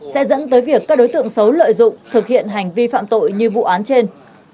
sẽ dẫn tới việc các đối tượng xấu lợi dụng thực hiện hành vi phạm tội như vụ án trên